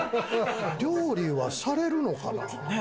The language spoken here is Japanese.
料理はされるのかな？